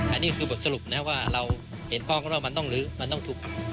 อันนี้คือบทสรุปนะครับว่าเราเห็นพร้อมกันว่ามันต้องลื้อมันต้องถูก